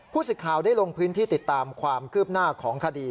สิทธิ์ข่าวได้ลงพื้นที่ติดตามความคืบหน้าของคดี